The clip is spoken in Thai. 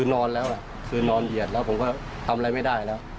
คือนอนแล้วคือนอนเหยียดแล้วผมก็ทำอะไรไม่ได้แล้ว